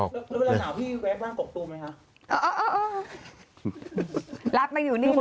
ที่แไว้บ้านปรบศูนย์ไหมคะ